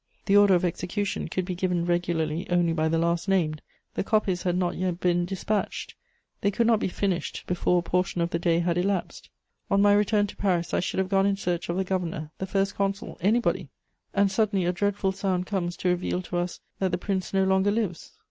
"The order of execution could be given regularly only by the last named; the copies had not yet been dispatched; they could not be finished before a portion of the day had elapsed. On my return to Paris I should have gone in search of the Governor, the First Consul, anybody! And suddenly a dreadful sound comes to reveal to us that the Prince no longer lives!